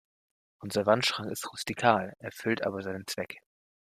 Unser Wandschrank ist rustikal, erfüllt aber seinen Zweck.